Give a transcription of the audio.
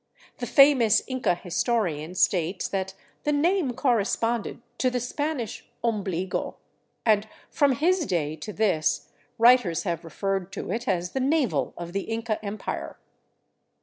The famous Inca historian states that the name corresponded to the Spanish omhligo, and from his day to this writers have referred to it as the Navel of the Inca Empire.